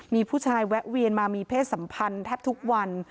มีผู้ชายแวะเวียนมามีเพศสัมพันธ์แทบทุกวัน